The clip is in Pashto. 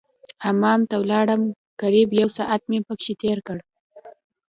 حمام ته ولاړم قريب يو ساعت مې پکښې تېر کړ.